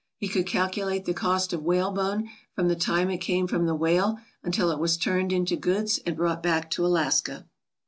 He could calculate the cost of whalebone from the time it came from the whale until it was turned into goods and brought back to Alaska.